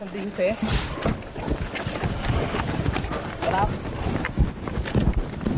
โอลาฟ